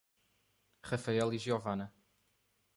Rafael e Giovanna